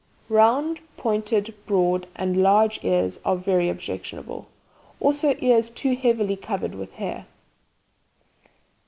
Round, pointed, broad and large ears are very objectionable, also ears too heavily covered with hair.